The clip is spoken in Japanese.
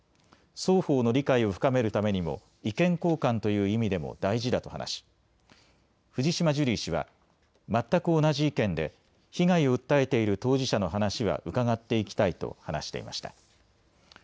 双方の理解を深めるためにも、意見交換という意味でも大事だと話し、藤島ジュリー氏は、全く同じ意見で、被害を訴えている当事者の話は伺っていきたいと話していました。